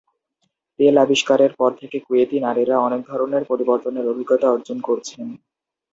তেল আবিষ্কারের পর থেকে কুয়েতি নারীরা অনেক ধরনের পরিবর্তনের অভিজ্ঞতা অর্জন করছেন।